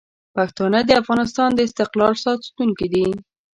پښتانه د افغانستان د استقلال ساتونکي دي.